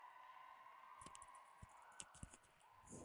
Estudió en el colegio de Santo Tomás de Zaragoza.